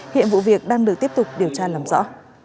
hiện vụ việc đang được tiếp tục điều tra làm rõ